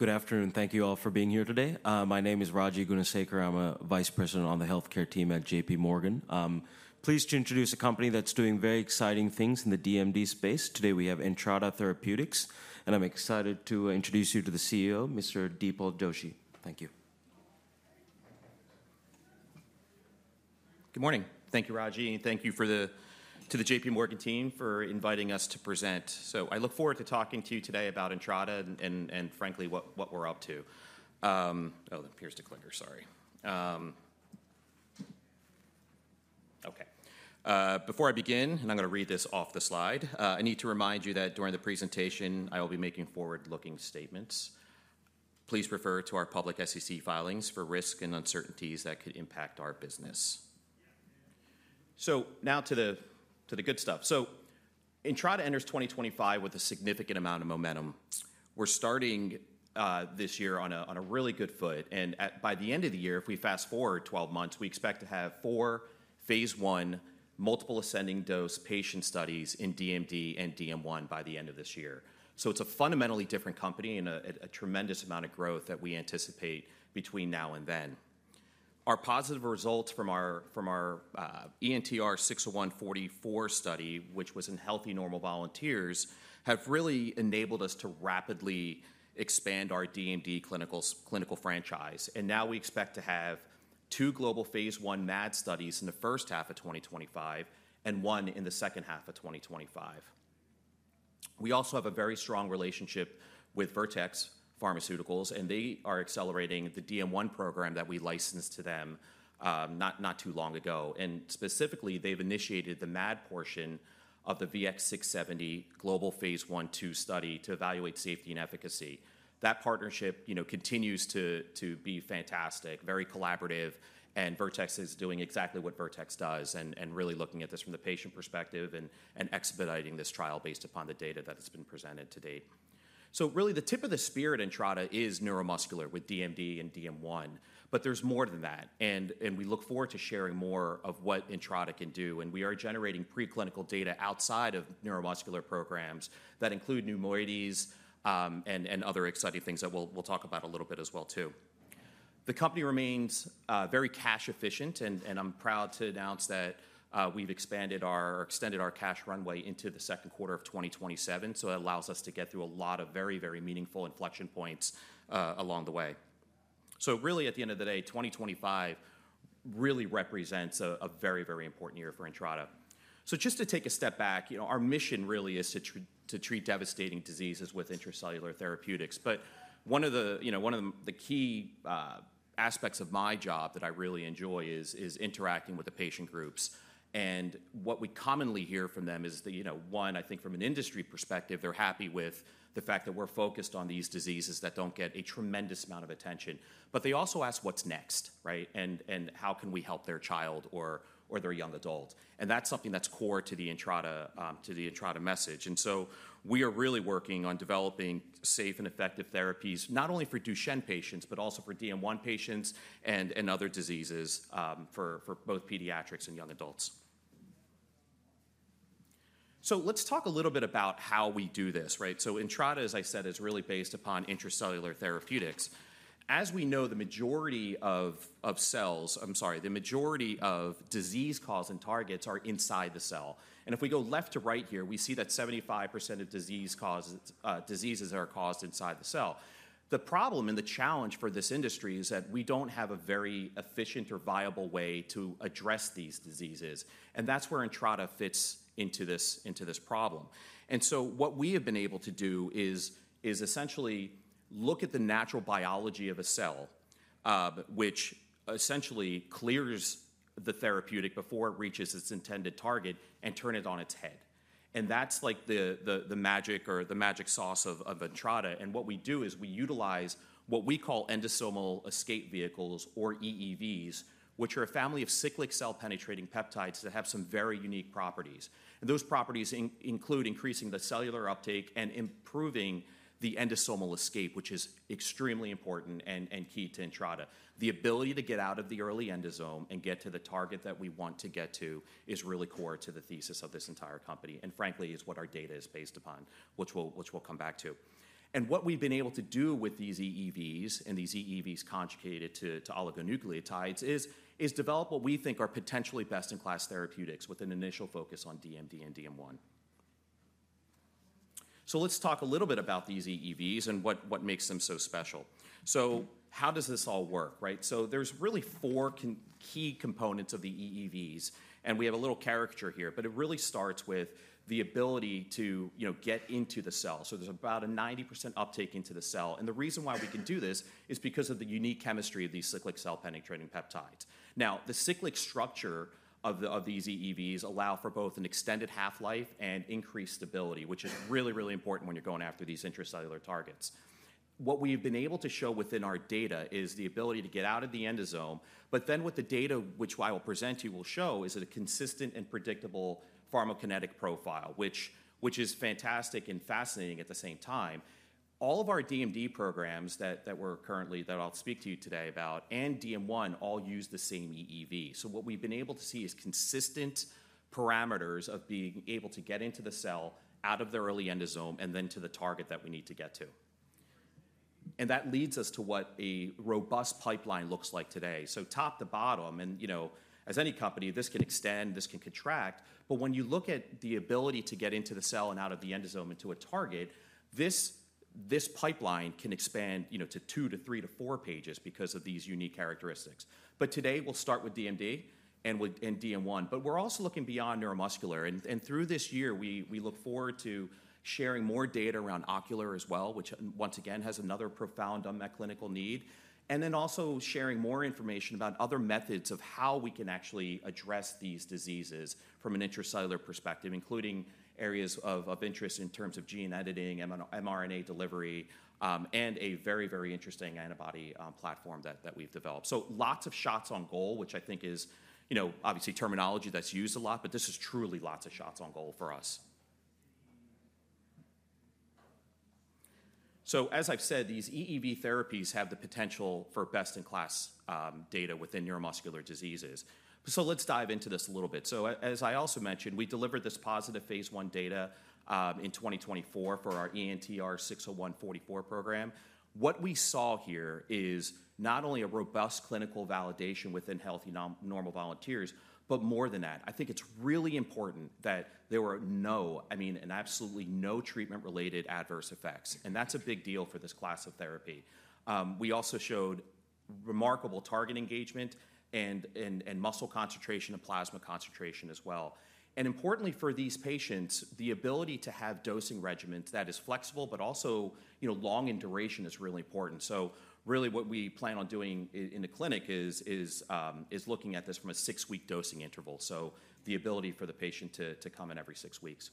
Good afternoon. Thank you all for being here today. My name is Raji Gunasekara. I'm a Vice President on the Healthcare Team at J.P. Morgan. Pleased to introduce a company that's doing very exciting things in the DMD space. Today we have Entrada Therapeutics, and I'm excited to introduce you to the CEO, Mr. Dipal Doshi. Thank you. Good morning. Thank you, Raji, and thank you to the J.P. Morgan team for inviting us to present. I look forward to talking to you today about Entrada and, frankly, what we're up to. Before I begin, and I'm going to read this off the slide, I need to remind you that during the presentation, I will be making forward-looking statements. Please refer to our public SEC filings for risk and uncertainties that could impact our business. Now to the good stuff. Entrada enters 2025 with a significant amount of momentum. We're starting this year on a really good foot. By the end of the year, if we fast forward 12 months, we expect to have four phase I multiple ascending dose patient studies in DMD and DM1 by the end of this year. So it's a fundamentally different company and a tremendous amount of growth that we anticipate between now and then. Our positive results from our ENTR-601-44 study, which was in healthy normal volunteers, have really enabled us to rapidly expand our DMD clinical franchise. And now we expect to have two global phase I MAD studies in the first half of 2025 and one in the second half of 2025. We also have a very strong relationship with Vertex Pharmaceuticals, and they are accelerating the DM1 program that we licensed to them not too long ago. And specifically, they've initiated the MAD portion of the VX-670 global phase I-II study to evaluate safety and efficacy. That partnership continues to be fantastic, very collaborative, and Vertex is doing exactly what Vertex does and really looking at this from the patient perspective and expediting this trial based upon the data that has been presented to date. So really, the tip of the spear at Entrada is neuromuscular with DMD and DM1, but there's more than that. And we look forward to sharing more of what Entrada can do. And we are generating preclinical data outside of neuromuscular programs that include [pneumonia] and other exciting things that we'll talk about a little bit as well, too. The company remains very cash efficient, and I'm proud to announce that we've extended our cash runway into the second quarter of 2027. So it allows us to get through a lot of very, very meaningful inflection points along the way. So really, at the end of the day, 2025 really represents a very, very important year for Entrada. So just to take a step back, our mission really is to treat devastating diseases with intracellular therapeutics. But one of the key aspects of my job that I really enjoy is interacting with the patient groups. And what we commonly hear from them is that, one, I think from an industry perspective, they're happy with the fact that we're focused on these diseases that don't get a tremendous amount of attention. But they also ask, what's next, right? And how can we help their child or their young adult? And that's something that's core to the Entrada message. And so we are really working on developing safe and effective therapies, not only for Duchenne patients, but also for DM1 patients and other diseases for both pediatrics and young adults. So let's talk a little bit about how we do this, right? So Entrada, as I said, is really based upon intracellular therapeutics. As we know, the majority of cells. I'm sorry, the majority of disease cause and targets are inside the cell. And if we go left to right here, we see that 75% of diseases are caused inside the cell. The problem and the challenge for this industry is that we don't have a very efficient or viable way to address these diseases. And that's where Entrada fits into this problem. And so what we have been able to do is essentially look at the natural biology of a cell, which essentially clears the therapeutic before it reaches its intended target and turns it on its head. And that's like the magic or the magic sauce of Entrada. And what we do is we utilize what we call endosomal escape vehicles or EEVs, which are a family of cyclic cell-penetrating peptides that have some very unique properties. And those properties include increasing the cellular uptake and improving the endosomal escape, which is extremely important and key to Entrada. The ability to get out of the early endosome and get to the target that we want to get to is really core to the thesis of this entire company and, frankly, is what our data is based upon, which we'll come back to. And what we've been able to do with these EEVs and these EEVs conjugated to oligonucleotides is develop what we think are potentially best-in-class therapeutics with an initial focus on DMD and DM1. So let's talk a little bit about these EEVs and what makes them so special. So how does this all work, right? So there's really four key components of the EEVs. And we have a little caricature here, but it really starts with the ability to get into the cell. So there's about a 90% uptake into the cell. And the reason why we can do this is because of the unique chemistry of these cyclic cell-penetrating peptides. Now, the cyclic structure of these EEVs allows for both an extended half-life and increased stability, which is really, really important when you're going after these intracellular targets. What we have been able to show within our data is the ability to get out of the endosome, but then with the data, which I will present to you, will show is a consistent and predictable pharmacokinetic profile, which is fantastic and fascinating at the same time. All of our DMD programs that I'll speak to you today about—and DM1 all use the same EEV. So what we've been able to see is consistent parameters of being able to get into the cell, out of the early endosome, and then to the target that we need to get to. And that leads us to what a robust pipeline looks like today. So top to bottom, and as any company, this can extend; this can contract. But when you look at the ability to get into the cell and out of the endosome into a target, this pipeline can expand to two to three to four pages because of these unique characteristics. But today, we'll start with DMD and DM1. But we're also looking beyond neuromuscular. And through this year, we look forward to sharing more data around ocular as well, which once again has another profound unmet clinical need, and then also sharing more information about other methods of how we can actually address these diseases from an intracellular perspective, including areas of interest in terms of gene editing, mRNA delivery, and a very, very interesting antibody platform that we've developed. So lots of shots on goal, which I think is obviously terminology that's used a lot, but this is truly lots of shots on goal for us. So as I've said, these EEV therapies have the potential for best-in-class data within neuromuscular diseases. So let's dive into this a little bit. So as I also mentioned, we delivered this positive phase I data in 2024 for our ENTR-601-44 program. What we saw here is not only a robust clinical validation within healthy normal volunteers, but more than that. I think it's really important that there were no, I mean, absolutely no treatment-related adverse effects. And that's a big deal for this class of therapy. We also showed remarkable target engagement and muscle concentration and plasma concentration as well. And importantly for these patients, the ability to have dosing regimens that is flexible, but also long in duration is really important. So really what we plan on doing in the clinic is looking at this from a six-week dosing interval. So the ability for the patient to come in every six weeks.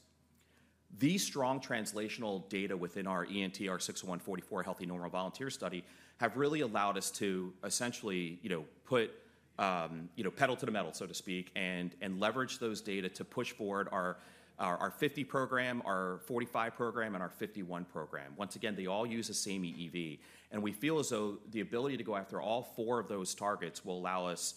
These strong translational data within our ENTR-601-44 healthy normal volunteer study have really allowed us to essentially put pedal to the metal, so to speak, and leverage those data to push forward our 50 program, our 45 program, and our 51 program. Once again, they all use the same EEV, and we feel as though the ability to go after all four of those targets will allow us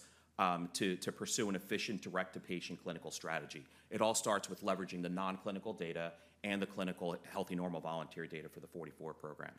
to pursue an efficient direct-to-patient clinical strategy. It all starts with leveraging the non-clinical data and the clinical healthy normal volunteer data for the 44 program.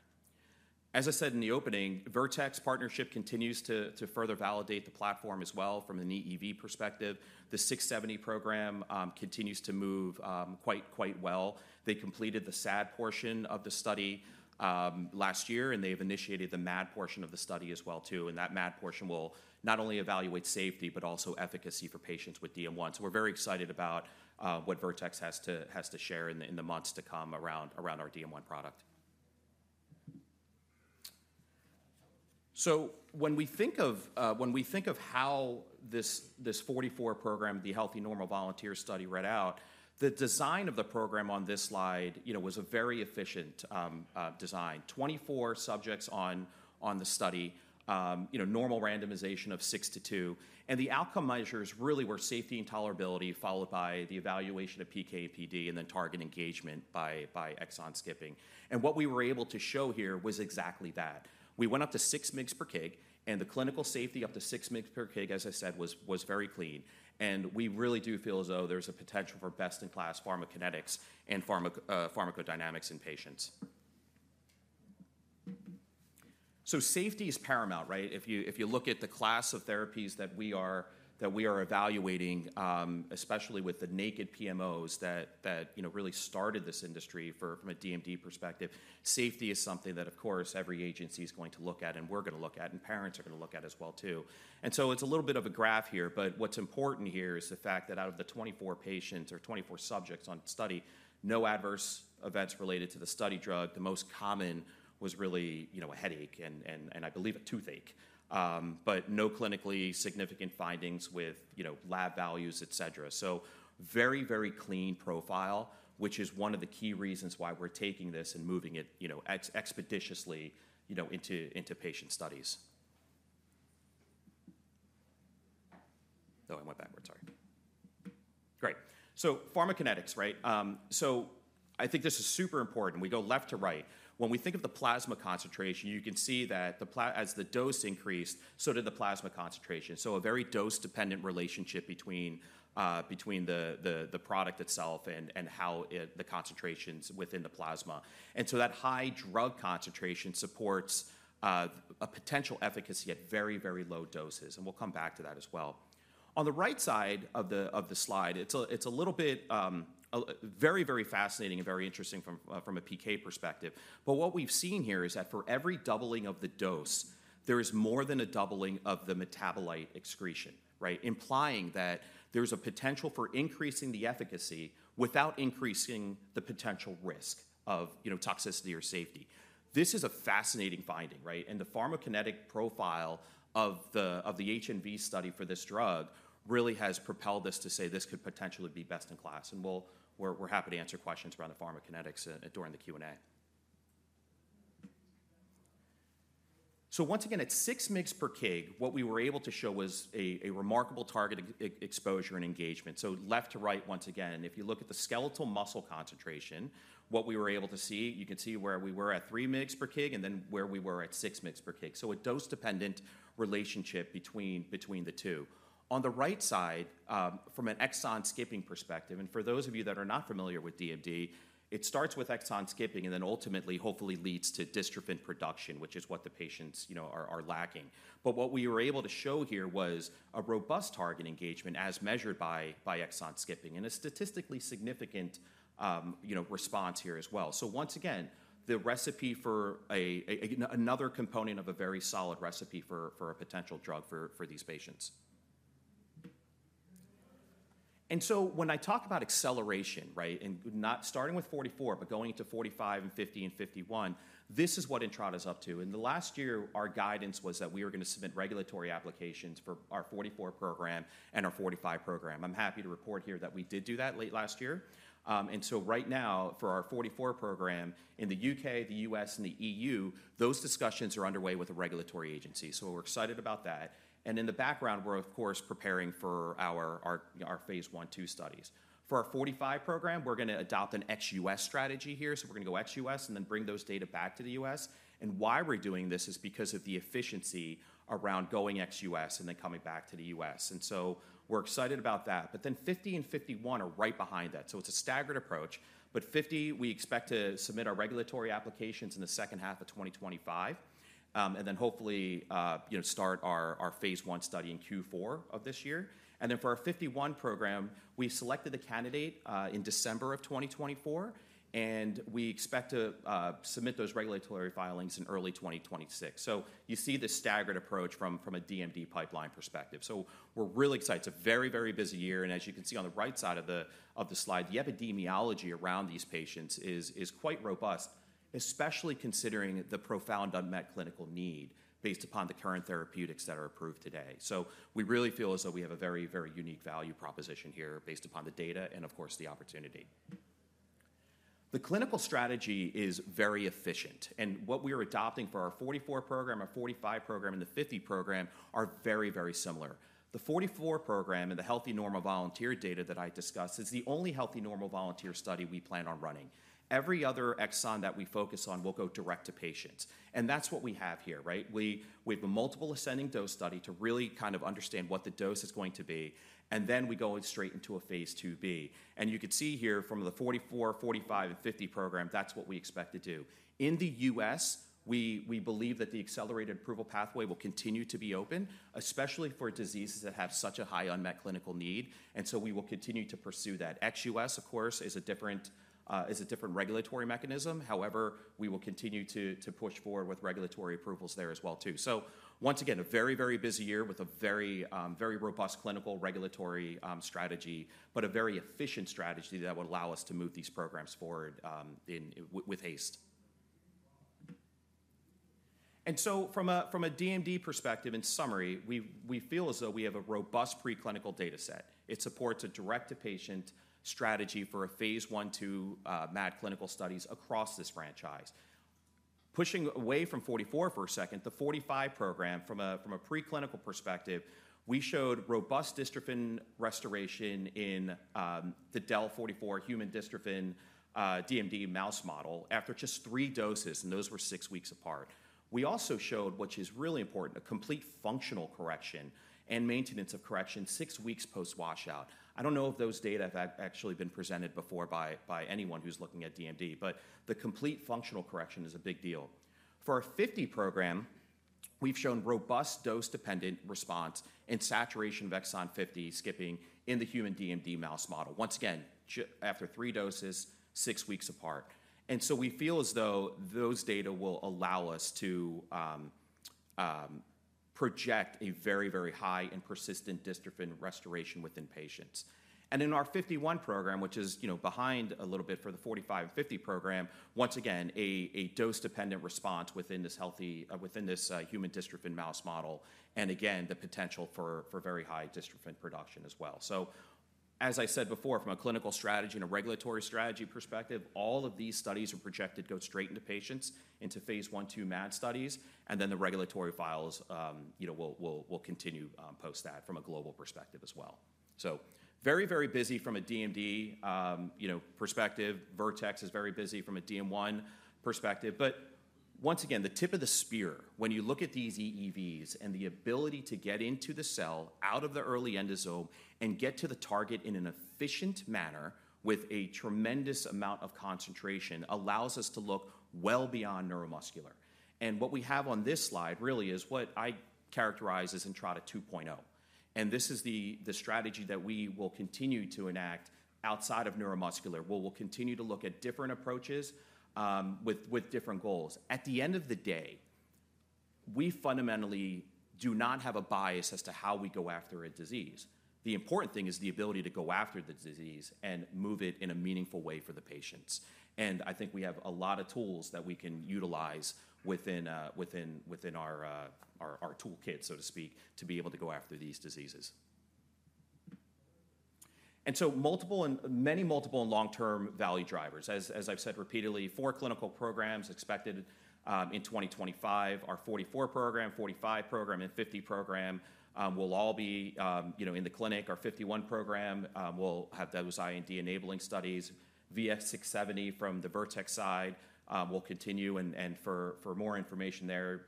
As I said in the opening, Vertex partnership continues to further validate the platform as well from an EEV perspective. The 670 program continues to move quite well. They completed the SAD portion of the study last year, and they have initiated the MAD portion of the study as well, too. That MAD portion will not only evaluate safety, but also efficacy for patients with DM1. We're very excited about what Vertex has to share in the months to come around our DM1 product. When we think of how this 44 program, the healthy normal volunteer study read out, the design of the program on this slide was a very efficient design. 24 subjects on the study, normal randomization of six to two. The outcome measures really were safety and tolerability followed by the evaluation of PK/PD and then target engagement by exon skipping. What we were able to show here was exactly that. We went up to 6 mg/kg, and the clinical safety up to 6 mg/kg, as I said, was very clean. We really do feel as though there's a potential for best-in-class pharmacokinetics and pharmacodynamics in patients. Safety is paramount, right? If you look at the class of therapies that we are evaluating, especially with the naked PMOs that really started this industry from a DMD perspective, safety is something that, of course, every agency is going to look at, and we're going to look at, and parents are going to look at as well, too. It's a little bit of a graph here, but what's important here is the fact that out of the 24 patients or 24 subjects on study, no adverse events related to the study drug. The most common was really a headache and, I believe, a toothache, but no clinically significant findings with lab values, etc. Very, very clean profile, which is one of the key reasons why we're taking this and moving it expeditiously into patient studies. Oh, I went backwards, sorry. Great. Pharmacokinetics, right? So I think this is super important. We go left to right. When we think of the plasma concentration, you can see that as the dose increased, so did the plasma concentration. So a very dose-dependent relationship between the product itself and how the concentrations within the plasma. And so that high drug concentration supports a potential efficacy at very, very low doses. And we'll come back to that as well. On the right side of the slide, it's a little bit very, very fascinating and very interesting from a PK perspective. But what we've seen here is that for every doubling of the dose, there is more than a doubling of the metabolite excretion, right? Implying that there's a potential for increasing the efficacy without increasing the potential risk of toxicity or safety. This is a fascinating finding, right? And the pharmacokinetic profile of the HNV study for this drug really has propelled us to say this could potentially be best in class. And we're happy to answer questions around the pharmacokinetics during the Q&A. So once again, at 6 mg/kg, what we were able to show was a remarkable target exposure and engagement. So left to right, once again, if you look at the skeletal muscle concentration, what we were able to see, you can see where we were at three mg/kg and then where we were at six mg/kg. So a dose-dependent relationship between the two. On the right side, from an exon skipping perspective, and for those of you that are not familiar with DMD, it starts with exon skipping and then ultimately, hopefully, leads to dystrophin production, which is what the patients are lacking. But what we were able to show here was a robust target engagement as measured by exon skipping and a statistically significant response here as well. So once again, the recipe for another component of a very solid recipe for a potential drug for these patients. And so when I talk about acceleration, right, and not starting with 44, but going to 45 and 50 and 51, this is what Entrada is up to. In the last year, our guidance was that we were going to submit regulatory applications for our 44 program and our 45 program. I'm happy to report here that we did do that late last year. And so right now, for our 44 program in the U.K., the U.S., and the E.U., those discussions are underway with a regulatory agency. So we're excited about that. In the background, we're, of course, preparing for our phase I-II studies. For our 45 program, we're going to adopt an ex-US strategy here. So we're going to go ex-US and then bring those data back to the US. And why we're doing this is because of the efficiency around going ex-US and then coming back to the US. And so we're excited about that. But then 50 and 51 are right behind that. So it's a staggered approach. But 50, we expect to submit our regulatory applications in the second half of 2025 and then hopefully start our phase I study in Q4 of this year. And then for our 51 program, we selected the candidate in December of 2024, and we expect to submit those regulatory filings in early 2026. So you see the staggered approach from a DMD pipeline perspective. So we're really excited. It's a very, very busy year. And as you can see on the right side of the slide, the epidemiology around these patients is quite robust, especially considering the profound unmet clinical need based upon the current therapeutics that are approved today. So we really feel as though we have a very, very unique value proposition here based upon the data and, of course, the opportunity. The clinical strategy is very efficient. And what we are adopting for our 44 program, our 45 program, and the 50 program are very, very similar. The 44 program and the healthy normal volunteer data that I discussed is the only healthy normal volunteer study we plan on running. Every other exon that we focus on will go direct to patients. And that's what we have here, right? We have a multiple ascending dose study to really kind of understand what the dose is going to be, and then we go straight into a phase IIB. You can see here from the 44, 45, and 50 program, that's what we expect to do. In the U.S., we believe that the accelerated approval pathway will continue to be open, especially for diseases that have such a high unmet clinical need. We will continue to pursue that. Ex-U.S., of course, is a different regulatory mechanism. However, we will continue to push forward with regulatory approvals there as well, too. Once again, a very, very busy year with a very robust clinical regulatory strategy, but a very efficient strategy that will allow us to move these programs forward with haste. And so from a DMD perspective, in summary, we feel as though we have a robust preclinical data set. It supports a direct-to-patient strategy for a phase I-II MAD clinical studies across this franchise. Pushing away from 44 for a second, the 45 program, from a preclinical perspective, we showed robust dystrophin restoration in the DEL-44 human dystrophin DMD mouse model after just three doses, and those were six weeks apart. We also showed, which is really important, a complete functional correction and maintenance of correction six weeks post-wash out. I don't know if those data have actually been presented before by anyone who's looking at DMD, but the complete functional correction is a big deal. For our 50 program, we've shown robust dose-dependent response and saturation of exon 50 skipping in the human DMD mouse model. Once again, after three doses, six weeks apart. And so we feel as though those data will allow us to project a very, very high and persistent dystrophin restoration within patients. And in our 51 program, which is behind a little bit for the 45 and 50 program, once again, a dose-dependent response within this human dystrophin mouse model, and again, the potential for very high dystrophin production as well. So as I said before, from a clinical strategy and a regulatory strategy perspective, all of these studies are projected to go straight into patients, into phase I-II MAD studies, and then the regulatory files will continue post that from a global perspective as well. So very, very busy from a DMD perspective. Vertex is very busy from a DM1 perspective. But once again, the tip of the spear, when you look at these EEVs and the ability to get into the cell out of the early endosome and get to the target in an efficient manner with a tremendous amount of concentration allows us to look well beyond neuromuscular. And what we have on this slide really is what I characterize as Entrada 2.0. And this is the strategy that we will continue to enact outside of neuromuscular. We will continue to look at different approaches with different goals. At the end of the day, we fundamentally do not have a bias as to how we go after a disease. The important thing is the ability to go after the disease and move it in a meaningful way for the patients. And I think we have a lot of tools that we can utilize within our toolkit, so to speak, to be able to go after these diseases. And so many multiple and long-term value drivers. As I've said repeatedly, four clinical programs expected in 2025. Our 44 program, 45 program, and 50 program will all be in the clinic. Our 51 program will have those IND enabling studies. VX-670 from the Vertex side will continue. And for more information there,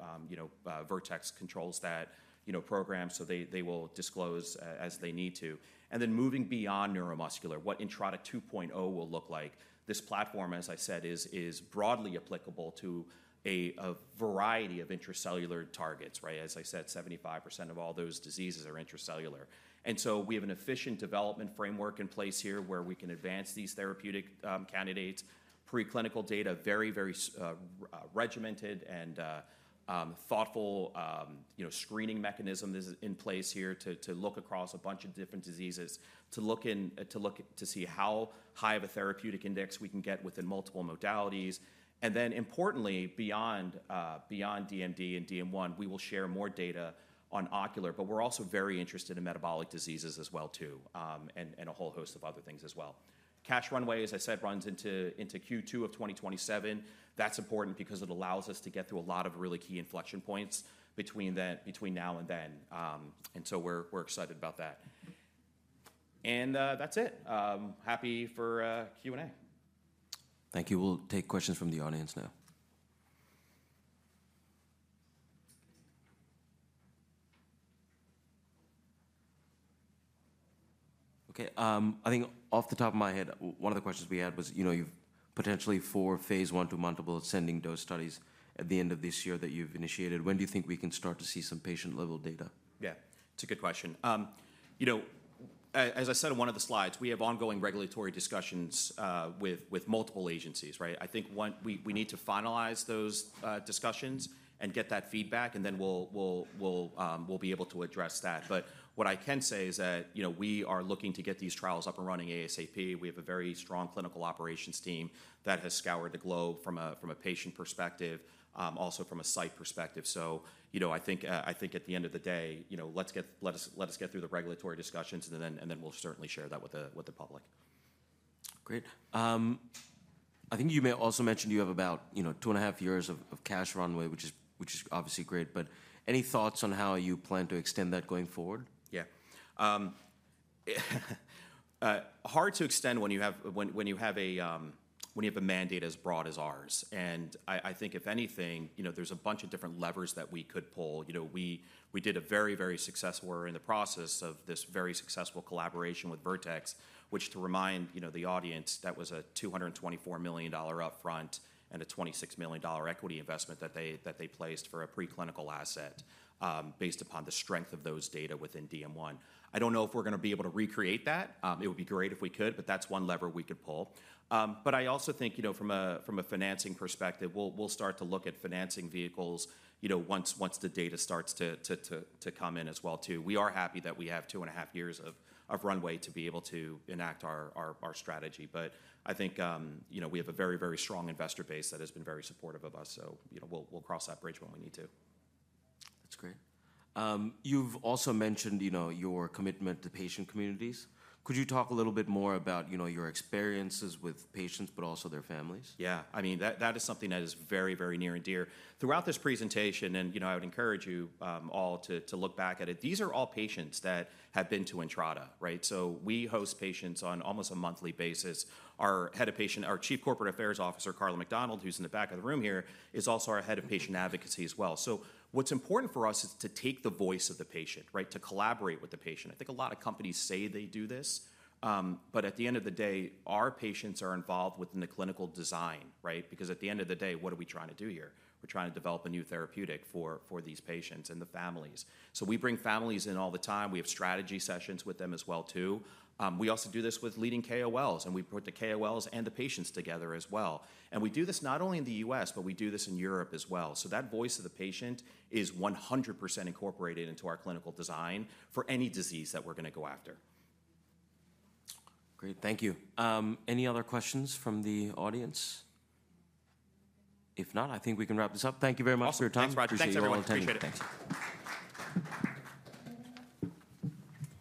Vertex controls that program, so they will disclose as they need to. And then moving beyond neuromuscular, what Entrada 2.0 will look like. This platform, as I said, is broadly applicable to a variety of intracellular targets, right? As I said, 75% of all those diseases are intracellular. And so we have an efficient development framework in place here where we can advance these therapeutic candidates. Preclinical data, very, very regimented and thoughtful screening mechanism is in place here to look across a bunch of different diseases, to look to see how high of a therapeutic index we can get within multiple modalities. Then importantly, beyond DMD and DM1, we will share more data on ocular, but we're also very interested in metabolic diseases as well, too, and a whole host of other things as well. Cash runway, as I said, runs into Q2 of 2027. That's important because it allows us to get through a lot of really key inflection points between now and then. So we're excited about that. That's it. Happy for Q&A. Thank you. We'll take questions from the audience now. Okay. I think off the top of my head, one of the questions we had was potentially for phase I-II multiple ascending dose studies at the end of this year that you've initiated. When do you think we can start to see some patient-level data? Yeah, it's a good question. As I said on one of the slides, we have ongoing regulatory discussions with multiple agencies, right? I think we need to finalize those discussions and get that feedback, and then we'll be able to address that. But what I can say is that we are looking to get these trials up and running ASAP. We have a very strong clinical operations team that has scoured the globe from a patient perspective, also from a site perspective. So I think at the end of the day, let's get through the regulatory discussions, and then we'll certainly share that with the public. Great. I think you may also mentioned you have about two and a half years of cash runway, which is obviously great. But any thoughts on how you plan to extend that going forward? Yeah. Hard to extend when you have a mandate as broad as ours. And I think, if anything, there's a bunch of different levers that we could pull. We did a very, very successful. We're in the process of this very successful collaboration with Vertex, which, to remind the audience, that was a $224 million upfront and a $26 million equity investment that they placed for a preclinical asset based upon the strength of those data within DM1. I don't know if we're going to be able to recreate that. It would be great if we could, but that's one lever we could pull. But I also think from a financing perspective, we'll start to look at financing vehicles once the data starts to come in as well, too. We are happy that we have two and a half years of runway to be able to enact our strategy. But I think we have a very, very strong investor base that has been very supportive of us. So we'll cross that bridge when we need to. That's great. You've also mentioned your commitment to patient communities. Could you talk a little bit more about your experiences with patients, but also their families? Yeah. I mean, that is something that is very, very near and dear. Throughout this presentation, and I would encourage you all to look back at it, these are all patients that have been to Entrada, right? So we host patients on almost a monthly basis. Our Chief Corporate Affairs Officer, Karla MacDonald, who's in the back of the room here, is also our head of patient advocacy as well. So what's important for us is to take the voice of the patient, right, to collaborate with the patient. I think a lot of companies say they do this, but at the end of the day, our patients are involved within the clinical design, right? Because at the end of the day, what are we trying to do here? We're trying to develop a new therapeutic for these patients and the families. So we bring families in all the time. We have strategy sessions with them as well, too. We also do this with leading KOLs, and we put the KOLs and the patients together as well, and we do this not only in the U.S., but we do this in Europe as well, so that voice of the patient is 100% incorporated into our clinical design for any disease that we're going to go after. Great. Thank you. Any other questions from the audience? If not, I think we can wrap this up. Thank you very much for your time. Awesome. Thanks, Raji. Thanks, everyone. Appreciate it. Thank you.